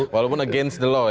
walaupun against the law ya